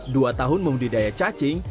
dua tahun memudidaya cacing